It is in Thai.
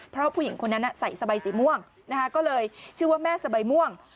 เพราะผู้หญิงคนนั้นใส่สบายสีม่วงก็เลยชื่อว่าแม่สะใบม่วง